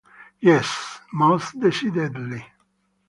Yes, most decidedly.